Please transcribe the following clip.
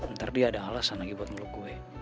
ntar dia ada alasan lagi buat ngeluk gue